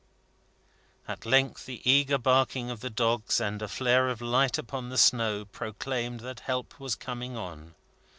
At length the eager barking of the dogs, and a flare of light upon the snow, proclaimed that help was coming on.